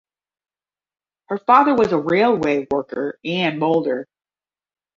Her father was a railway worker and moulder.